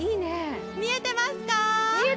見えてますか？